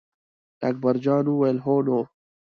اکبر جان وویل: هو نو.